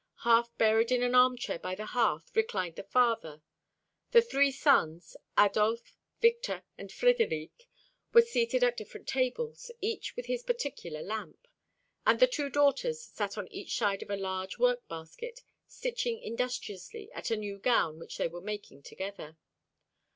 Half buried in an armchair by the hearth reclined the father; the three sons, Adolphe, Victor, and Frédéric, were seated at different tables, each with his particular lamp; and the two daughters sat on each side of a large work basket, stitching industriously at a new gown which they were making together.